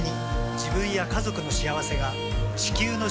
自分や家族の幸せが地球の幸せにつながっている。